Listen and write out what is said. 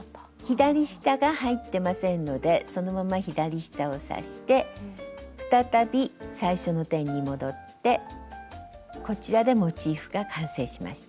左下が入ってませんのでそのまま左下を刺して再び最初の点に戻ってこちらでモチーフが完成しました。